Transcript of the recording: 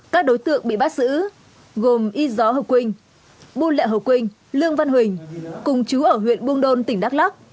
các đối tượng bị bắt giữ gồm y gió hồ quỳnh bùn lẹ hồ quỳnh lương văn huỳnh cùng chú ở huyện buông đôn tỉnh đắk lắc